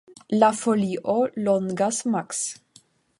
La folio longas maks.